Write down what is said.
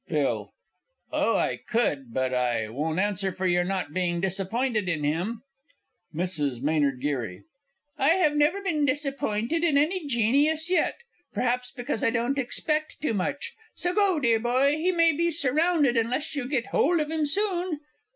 PHIL. Oh, I could but I won't answer for your not being disappointed in him. MRS. M. G. I have never been disappointed in any genius yet perhaps, because I don't expect too much so go, dear boy; he may be surrounded unless you get hold of him soon.